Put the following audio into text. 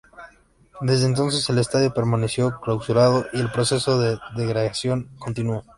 Desde entonces el Estadio permaneció clausurado y el proceso de degradación continuó.